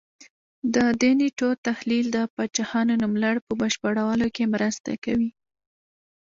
د دې نېټو تحلیل د پاچاهانو نوملړ په بشپړولو کې مرسته کوي